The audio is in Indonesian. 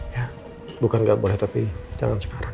ya bukan gak boleh tapi jangan cepat